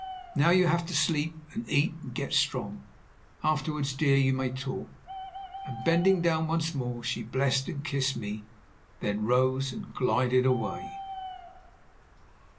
Now you have to sleep and eat and get strong. Afterwards, dear, you may talk"; and, bending down once more, she blessed and kissed me, then rose and glided away.